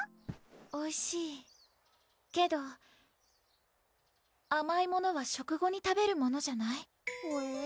おいしいけどあまいものは食後に食べるものじゃない？ほえ？